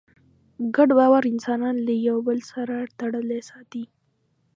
ګډ باور انسانان له یوه بل سره تړلي ساتي.